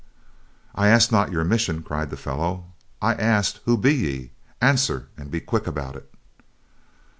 "I asked not your mission," cried the fellow. "I asked, who be ye? Answer, and be quick about it."